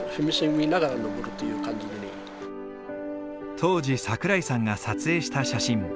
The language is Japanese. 当時桜井さんが撮影した写真。